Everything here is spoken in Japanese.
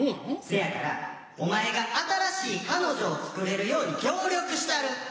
せやからお前が新しい彼女をつくれるように協力したる。